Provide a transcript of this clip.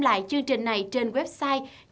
lại chương trình này trên website